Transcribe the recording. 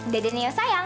dadah nio sayang